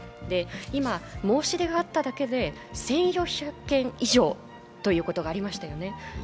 今、申し出があっただけで１４００件以上ということがありましたよね。